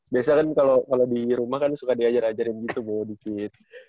biasanya kan kalau di rumah kan suka diajar ajarin gitu bu dikit